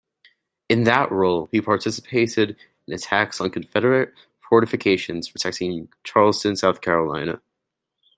In that role, he participated in attacks on Confederate fortifications protecting Charleston, South Carolina.